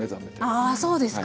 あそうですか。